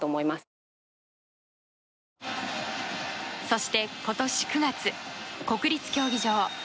そして今年９月国立競技場。